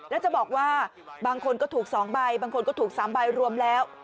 แล้วจะบอกว่าบางคนก็ถูก๒ใบบางคนก็ถูก๓ใบรวมแล้ว